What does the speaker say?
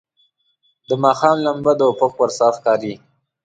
د ماښام لمبه د افق پر سر ښکاري.